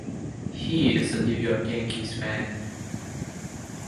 He is a New York Yankees fan.